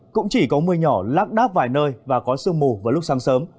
cũng chỉ có mưa nhỏ lắc đáp vài nơi và có sương mù vào lúc sáng sớm